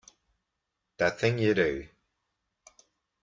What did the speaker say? That Thing You Do!